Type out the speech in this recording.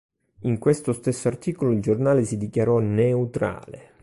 In questo stesso articolo il giornale si dichiarò "neutrale".